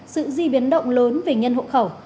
sự di biến động lớn về nhân hộ khẩu